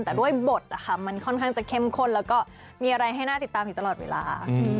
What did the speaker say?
แต่ด้วยบทมันค่อนข้างจะเข้มข้นแล้วก็มีอะไรให้น่าติดตามอยู่ตลอดเวลา